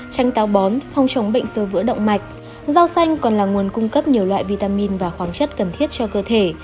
chanh táo bón phong trống bệnh xơ vữa động mạch rau xanh còn là nguồn cung cấp nhiều loại vitamin và khoáng chất cần thiết cho cơ thể